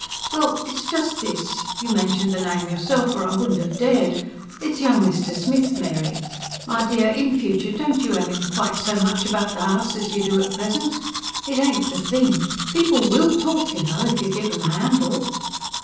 "Well, it's just this you mentioned the name yourself, or I wouldn't have dared. It's young Mr. Smith, Mary. My dear, in future don't you have 'im quite so much about the house as you do at present. It ain't the thing. People WILL talk, you know, if you give 'em a handle."